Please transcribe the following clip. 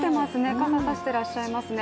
傘さしていらっしゃいますね。